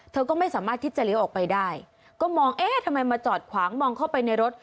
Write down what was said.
เธอก็ไม่สามารถที่จะเลี้ยวออกไปได้ก็มองเอ๊ะทำไมมาจอดขวางมองเข้าไปในรถ